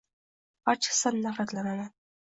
Barchasidan nafratlanaman